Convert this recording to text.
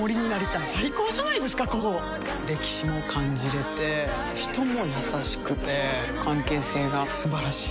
歴史も感じれて人も優しくて関係性が素晴らしい。